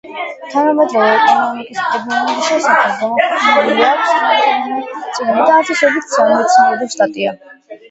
თანამედროვე ეკონომიკის პრობლემების შესახებ გამოქვეყნებული აქვს რამდენიმე წიგნი და ასობით სამეცნიერო სტატია.